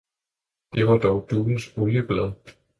Det var dog Duens Olieblad.